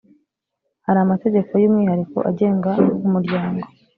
hari amategeko y umwihariko agenga umuryango